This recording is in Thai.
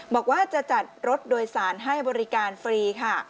บอกว่าจะจัดรถโดยสารให้บริการฟรีค่ะ